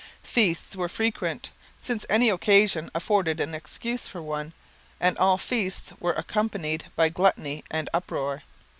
Feasts were frequent, since any occasion afforded an excuse for one, and all feasts were accompanied by gluttony and uproar.